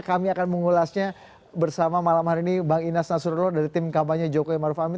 kami akan mengulasnya bersama malam hari ini bang inas nasrullah dari tim kampanye jokowi maruf amin